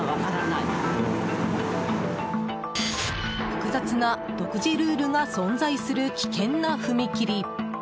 複雑な独自ルールが存在する危険な踏切。